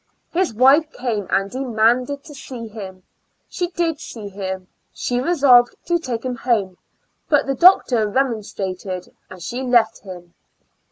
His wife came, and demanded to see him; she did see him; she resolved to take him home, but the doctor remonstrated and she left him.